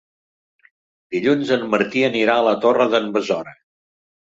Dilluns en Martí anirà a la Torre d'en Besora.